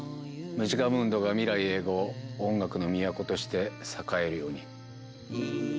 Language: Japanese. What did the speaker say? ムジカムンドが未来永劫音楽の都として栄えるように。